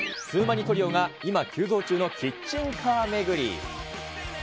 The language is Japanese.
ツウマニトリオが、今、急増中のキッチンカー巡り。